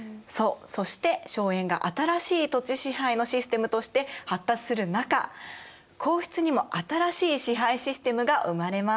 そして荘園が新しい土地支配のシステムとして発達する中皇室にも新しい支配システムが生まれます。